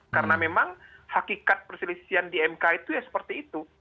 karena memang hakikat perselisihan di mk itu ya seperti itu